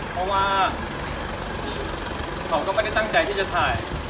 เพราะว่าเขาก็ไม่ได้ตั้งใจที่จะถ่าย